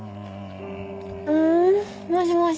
うん？もしもし。